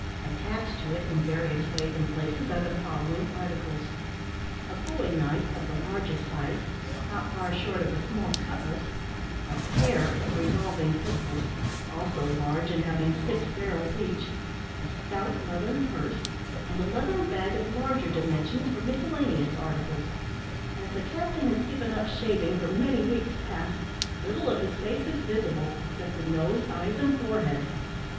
Attached to it in various ways and places are the following articles: A bowie knife of the largest size not far short of a small cutlass; a pair of revolving pistols, also large, and having six barrels each; a stout leathern purse; and a leathern bag of larger dimensions for miscellaneous articles. As the captain has given up shaving for many weeks past, little of his face is visible, except the nose, eyes, and forehead.